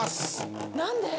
何で？